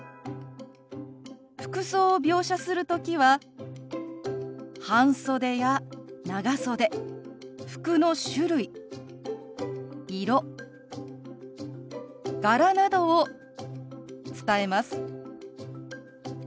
服装を描写する時は半袖や長袖服の種類色柄などを伝えます。